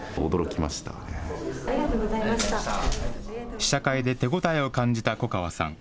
試写会で手応えを感じた粉川さん。